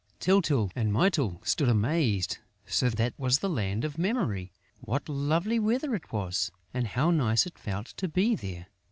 Tyltyl and Mytyl stood amazed. So that was the Land of Memory! What lovely weather it was! And how nice it felt to be there!